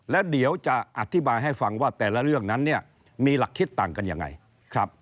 แล้วเดี๋ยวจะอธิบายให้ฟังว่าแต่ละเรื่องนั้นเนี่ยมีหลักคิดต่างกันยังไงครับ